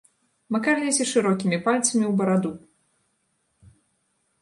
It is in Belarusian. Макар лезе шырокімі пальцамі ў бараду.